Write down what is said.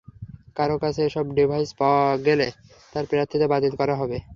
কারও কাছে এসব ডিভাইস পাওয়ার গেলে তার প্রার্থিতা বাতিল করা হবে।